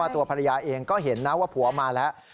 ตัวภรรยาเองก็เห็นนะว่าผัวมาแล้ว